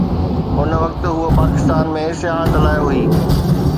ان وقت هوءَ پاڪستان ۾ سياحت لاءِ هئي.